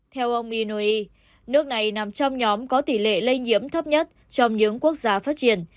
theo ông inoei nước này nằm trong nhóm có tỷ lệ lây nhiễm thấp nhất trong những quốc gia phát triển